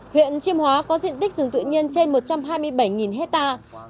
huyện chiêm hóa có diện tích rừng tự nhiên trên một trăm hai mươi bảy hectare